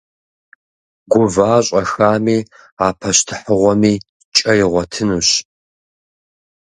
Гува щӏэхами, а пащтыхьыгъуэми кӏэ игъуэтынущ.